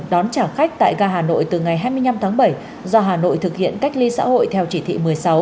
đón trả khách tại ga hà nội từ ngày hai mươi năm tháng bảy do hà nội thực hiện cách ly xã hội theo chỉ thị một mươi sáu